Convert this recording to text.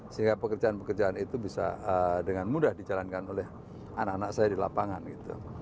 sehingga pekerjaan pekerjaan itu bisa dengan mudah dijalankan oleh anak anak saya di lapangan gitu